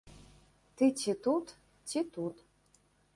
Ты ці тут, ці тут.